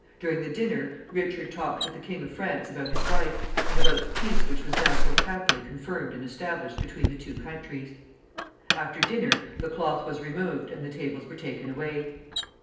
During the dinner, Richard talked with the King of France about his wife, and about the peace which was now so happily confirmed and established between the two countries. After dinner the cloth was removed and the tables were taken away.